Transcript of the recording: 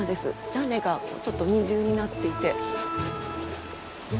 屋根がちょっと２重になっていて。